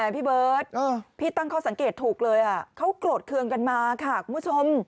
พี่เบิร์ตพี่ตั้งข้อสังเกตถูกเลยเขาโกรธเคืองกันมาค่ะคุณผู้ชม